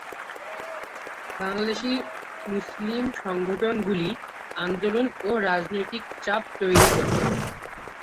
বাংলাদেশী মুসলিম সংগঠনগুলি আন্দোলন ও রাজনৈতিক চাপ তৈরি করে।